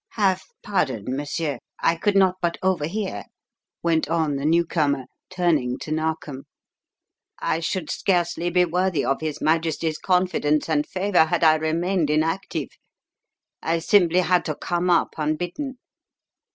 "Have pardon, monsieur I could not but overhear," went on the newcomer, turning to Narkom. "I should scarcely be worthy of his Majesty's confidence and favour had I remained inactive. I simply had to come up unbidden.